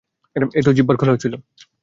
একটু জিহবার খেলাও ছিলো।